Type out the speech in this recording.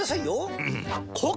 うん！